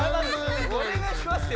おねがいしますよ。